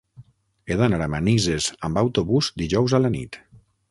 He d'anar a Manises amb autobús dijous a la nit.